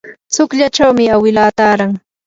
tsukllachawmi awilaa taaran.